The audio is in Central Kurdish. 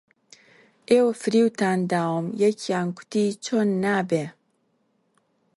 ئێوە فریوتان داوم یەکیان گوتی: چۆن نابێ؟